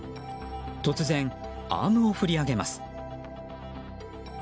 突然、アームを振り上げます。